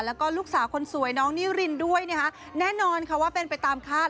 แล้วก็ลูกสาวคนสวยน้องนิรินด้วยนะคะแน่นอนค่ะว่าเป็นไปตามคาด